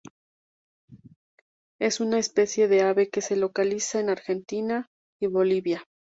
Es una especie de ave que se localiza en Argentina, y Bolivia.